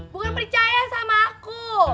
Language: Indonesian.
bukan percaya sama aku